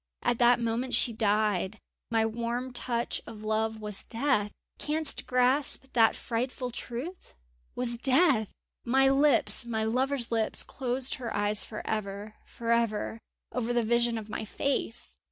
At that moment she died! My warm touch of love was death! Canst grasp that frightful truth?... was death! My lips, my lover's lips closed her eyes for ever!... for ever ... over the vision of my face!